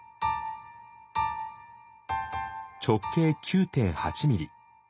直径９．８ミリ。